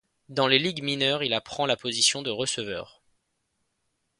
Dans les ligues mineures, il apprend la position de receveur.